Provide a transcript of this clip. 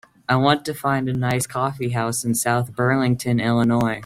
I want to find a nice coffeehouse in South Burlington Illinois